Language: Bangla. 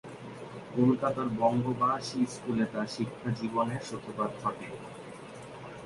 কলকাতার বঙ্গবাসী স্কুলে তার শিক্ষাজীবনের সূত্রপাত ঘটে।